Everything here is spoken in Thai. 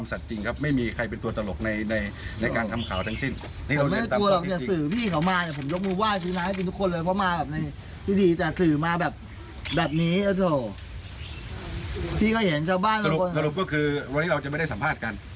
สรุปก็คือวันนี้เราจะไม่ได้สัมภาษณ์กัน